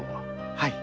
はい。